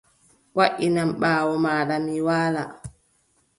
Waʼinam dow ɓaawo maaɗa mi waala.